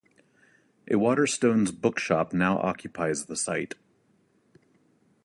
A Waterstone's bookshop now occupies the site.